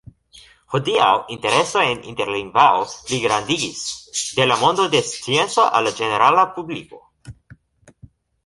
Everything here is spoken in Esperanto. Hodiaŭ, intereso en interlingvao pligrandigis de la mondo de scienco al la ĝenerala publiko.